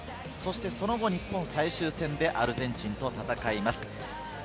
その後、日本が最終戦でアルゼンチンと戦います。